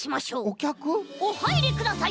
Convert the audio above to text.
おはいりください。